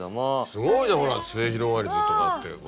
すごいじゃん「すゑひろがりず」とかってほら。